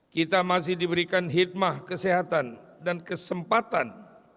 kita masih diberikan hikmah kesehatan dan kesempatan